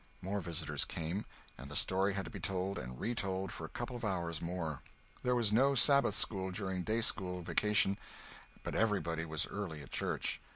More visitors came, and the story had to be told and retold for a couple of hours more. There was no Sabbath school during day school vacation, but everybody was early at church.